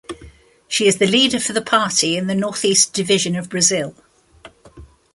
She is the leader for the party in the northeast division of Brazil.